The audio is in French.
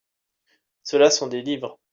Ceux-là sont des livres.